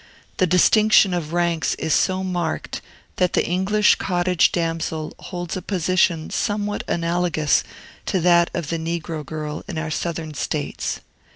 The distinction of ranks is so marked, that the English cottage damsel holds a position somewhat analogous to that of the negro girl in our Southern States.